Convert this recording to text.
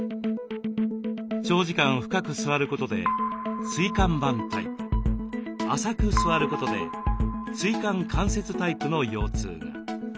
長時間深く座ることで「椎間板タイプ」浅く座ることで「椎間関節タイプ」の腰痛が。